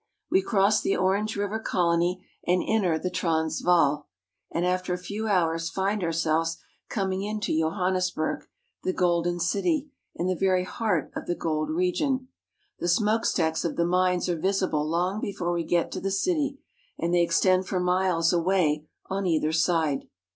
We cross the Orange River Colony and enter the Trans , vaal, and after a few hours find ourselves coming into Johannesburg, The Golden City, in the very heart of the gold region. The smokestacks of the mines are visible long before we get to the city, and they extend for miles away on either side.